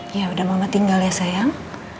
yaudah mama tinggal ya sayang